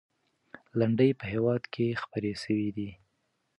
لنډۍ په هېواد کې خپرې سوي دي.